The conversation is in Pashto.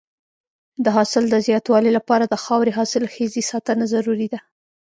د حاصل د زیاتوالي لپاره د خاورې حاصلخېزۍ ساتنه ضروري ده.